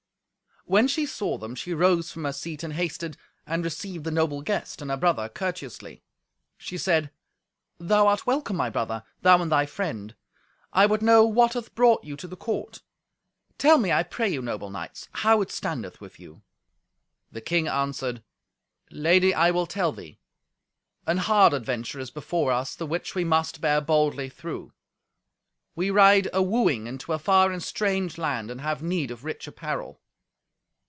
When she saw them, she rose from her seat, and hasted, and received the noble guest and her brother courteously. She said, "Thou are welcome, my brother: thou and they friend. I would know what hath brought you to the court. Tell me, I pray you, noble knights, how it standeth with you." The king answered, "Lady, I will tell thee. An hard adventure is before us, the which we must bear boldly through. We ride a wooing into a far and a strange land, and have need of rich apparel."